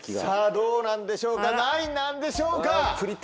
さぁどうなんでしょうか何位なんでしょうか？